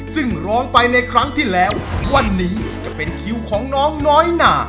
ซึ่งร้องไปในครั้งที่แล้ววันนี้จะเป็นคิวของน้องน้อยหนา